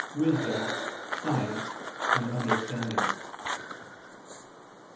Wisdom, Science and Understanding?